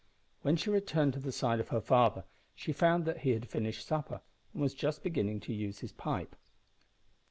When she returned to the side of her father she found that he had finished supper, and was just beginning to use his pipe.